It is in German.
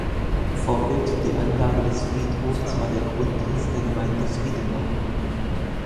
Vorbild für die Anlage des Friedhofs war der Grundriss der Gemeinde Friedenau.